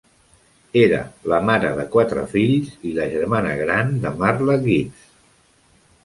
Era la mare de quatre fills i la germana gran de Marla Gibbs.